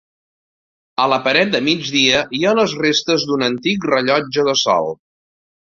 A la paret de migdia hi ha les restes d'un antic rellotge de sol.